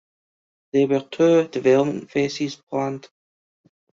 There were two development phases planned.